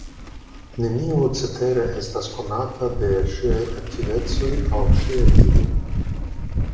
Nenio cetere estas konata de ŝiaj aktivecoj aŭ ŝia vivo.